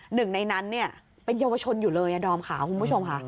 หนึ่งในนั้นเนี่ยเป็นเยาวชนอยู่เลยดอมขาวคุณผู้ชมค่ะ